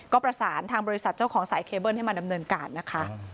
ก็ประสานทางบริษัทเจ้าของสายเคเบิ้ลให้มาดำเนินการนะคะ